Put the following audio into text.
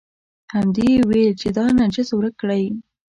همدې یې ویل چې دا نجس ورک کړئ.